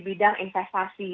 di bidang investasi